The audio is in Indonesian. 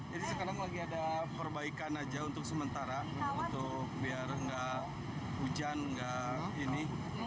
jadi sekarang lagi ada perbaikan aja untuk sementara untuk biar nggak hujan nggak ini